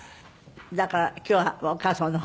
だから今日はお母様のお話。